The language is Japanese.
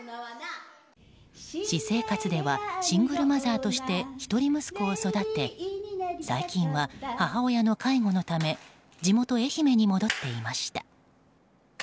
私生活ではシングルマザーとして一人息子を育て最近は、母親の介護のため地元・愛媛に戻っていました。